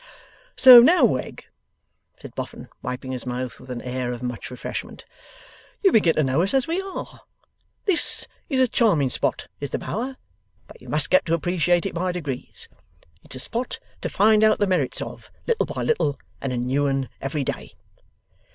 'So now, Wegg,' said Mr Boffin, wiping his mouth with an air of much refreshment, 'you begin to know us as we are. This is a charming spot, is the Bower, but you must get to apprechiate it by degrees. It's a spot to find out the merits of; little by little, and a new'un every day.